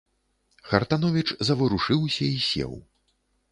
Хартановіч заварушыўся і сеў.